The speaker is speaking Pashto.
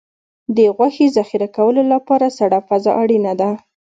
د غوښې ذخیره کولو لپاره سړه فضا اړینه ده.